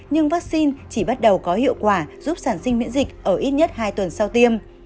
nhưng vaccine chỉ bắt đầu có hiệu quả giúp sản sinh miễn dịch ở ít nhất hai tuần sau tiêm